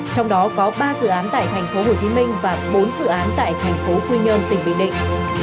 trong đó có ba dự án tại thành phố hồ chí minh và bốn dự án tại thành phố quy nhơn tỉnh bình định